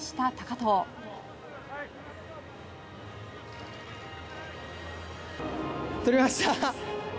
とりました！